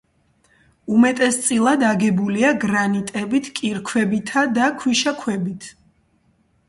უმეტესწილად აგებულია გრანიტებით, კირქვებითა და ქვიშაქვებით.